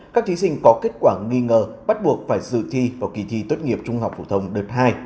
các thí sinh có kết quả nghi ngờ bắt buộc phải dự thi vào kỳ thi tốt nghiệp trung học phổ thông đợt hai